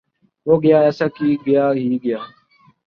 وہ گیا ایسا کی گیا ہی گیا